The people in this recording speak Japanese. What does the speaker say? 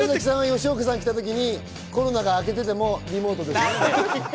吉岡さん来た時にコロナがあけててもリモートですよ。